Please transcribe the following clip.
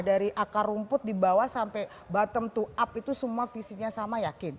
dari akar rumput di bawah sampai bottom to up itu semua visinya sama yakin